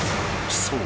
［そう。